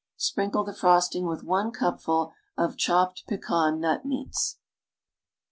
Sprinkle the frosting with one cupful of chopped pecan nut meats.